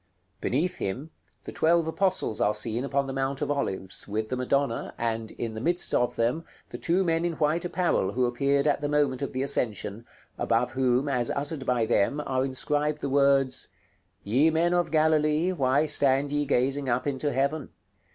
Beneath him, the twelve apostles are seen upon the Mount of Olives, with the Madonna, and, in the midst of them, the two men in white apparel who appeared at the moment of the Ascension, above whom, as uttered by them, are inscribed the words, "Ye men of Galilee, why stand ye gazing up into heaven?